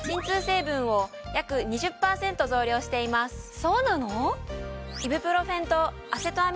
そうなの？